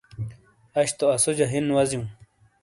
اش تو اسوجہ ہِن وزیوں۔